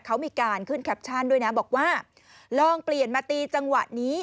เขามีการขึ้นแคปชั่นด้วยนะบอกว่าลองเปลี่ยนมาตีจังหวะนี้